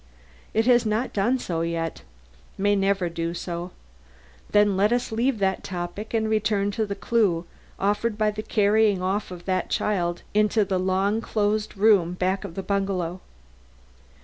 It has not done so yet, may never do so; then let us leave that topic and return to the clue offered by the carrying of that child into the long closed room back of the bungalow.